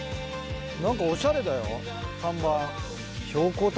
何かおしゃれだよ看板。